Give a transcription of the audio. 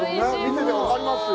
見てて、分かりますよ。